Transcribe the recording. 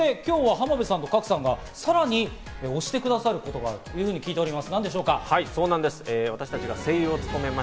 そして今日は浜辺さんと賀来さんが、さらに推してくださることがあると聞いています。